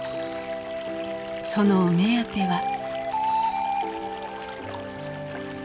そのお目当ては。